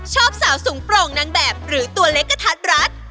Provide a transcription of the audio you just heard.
ชอบสาวสูงโปร่งนางแบบหรือตัวเล็กกระทัดรัด